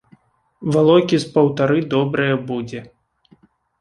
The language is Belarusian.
Валокі з паўтары добрыя будзе.